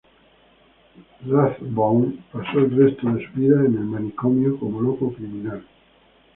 Rathbone pasó el resto de su vida en el manicomio como loco criminal.